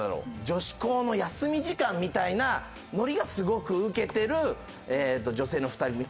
女子校の休み時間みたいなノリがすごくウケてる女性の２人組。